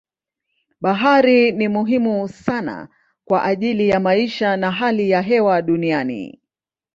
Bahari ni muhimu sana kwa ajili ya maisha na hali ya hewa duniani.